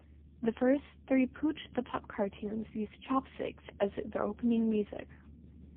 The first three Pooch the Pup cartoons used "Chopsticks" as their opening music.